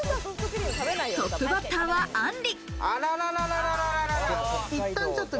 トップバッターは、あんり。